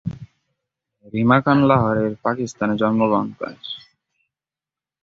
রিমা খান লাহোর এর পাকিস্তানে জন্মগ্রহণ করেন।